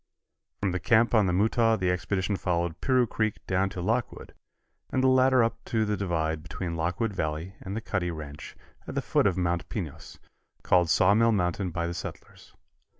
From the camp on the Mutaw the expedition followed Piru Creek down to Lockwood, and the latter up to the divide between Lockwood Valley and the Cuddy ranch at the foot of Mount Pinos, called Sawmill Mountain by the settlers.